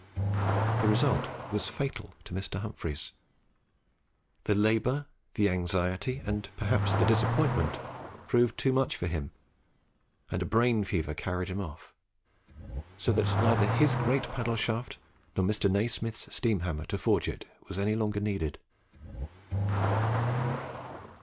The result was fatal to Mr. Humphries. The labour, the anxiety, and perhaps the disappointment, proved too much for him, and a brain fever carried him off; so that neither his great paddle shaft nor Mr. Nasmyth's steam hammer to forge it was any longer needed.